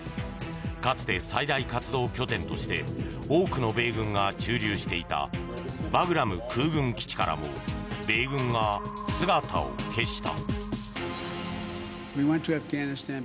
かつて、最大活動拠点として多くの米軍が駐留していたバグラム空軍基地からも米軍が姿を消した。